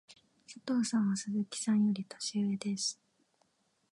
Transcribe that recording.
佐藤さんは鈴木さんより年上です。